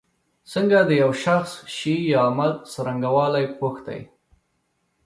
څنګه د یو شخص شي یا عمل څرنګوالی پوښتی.